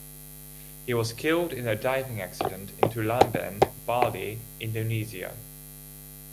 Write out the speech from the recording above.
He was killed in a diving accident in Tulamben, Bali, Indonesia.